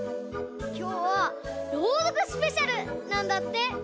きょうは「ろうどくスペシャル」なんだって！